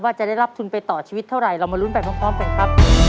ว่าจะได้รับทุนไปต่อชีวิตเท่าไหร่เรามาลุ้นไปพร้อมกันครับ